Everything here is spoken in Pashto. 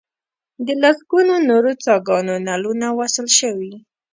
د لسګونو نورو څاګانو نلونه وصل شوي.